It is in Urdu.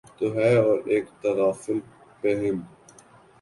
تو ہے اور اک تغافل پیہم